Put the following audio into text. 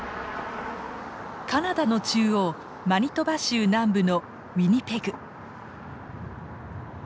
カナダの中央マニトバ州南部のウィニペグ。